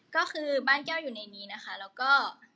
ก็คือบ้านแก้วอยู่ในนี้นะคะแล้วก็